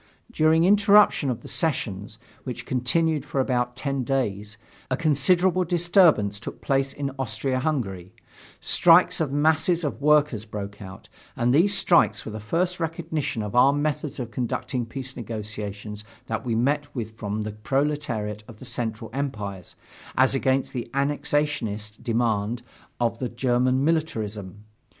During interruption of the sessions, which continued for about ten days, a considerable disturbance took place in Austria Hungary; strikes of masses of workers broke out, and these strikes were the first recognition of our methods of conducting peace negotiations that we met with from the proletariat of the Central Empires, as against the annexationist demands of the German militarism.